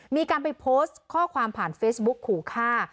มีการไปโพสต์ข้อความผ่านเฟซบุ๊กขู่ฆ่า